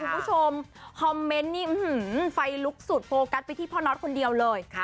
คุณผู้ชมคำเมนต์ฟัยลุ๊คสุดโปรกัสไปที่พ่อนทุกคนเดียวเลย